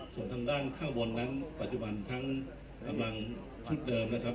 ส่วนทางด้านข้างบนนั้นปัจจุบันทั้งกำลังชุดเดิมนะครับ